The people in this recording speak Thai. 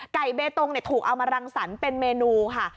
ไก่เบตตงเนี่ยถูกเอามารังสรรค์เป็นเมนูค่ะ